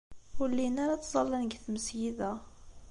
Ur llin ara ttẓallan deg tmesgida.